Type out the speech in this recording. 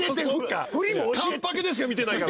完パケでしか見てないから。